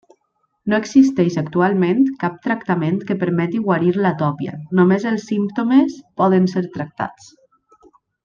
No existeix actualment cap tractament que permeti guarir l'atòpia, només els símptomes poden ser tractats.